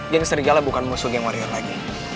geng serigala bukan musuh geng wario lagi